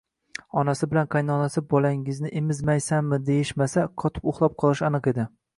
Onasi bilan qaynonasi bolangni emizmaysanmi deyishmasa, qotib uxlab qolishi aniq edi